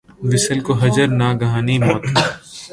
وصل کو ہجر ، ناگہانی موت